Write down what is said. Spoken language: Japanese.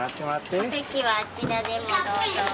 お席はあちらでもどうぞ。